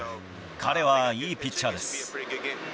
彼はいいピッチャーです。